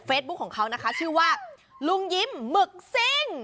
บุ๊คของเขานะคะชื่อว่าลุงยิ้มหมึกซิ่ง